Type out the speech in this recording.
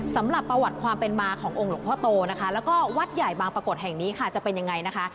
สำหรับประวัติความเป็นมาขององค์หลวงพ่อโตนะคะแล้วก็วัดใหญ่บางปรากฏแห่งนี้ค่ะจะเป็นยังไงนะคะ